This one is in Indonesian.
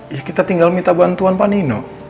ya kita tinggal minta bantuan panino